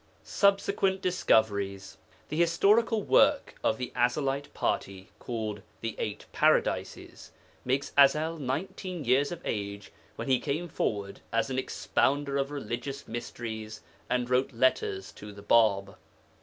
SUBSEQUENT DISCOVERIES The historical work of the Ezelite party, called The Eight Paradises, makes Ezel nineteen years of age when he came forward as an expounder of religious mysteries and wrote letters to the Bāb.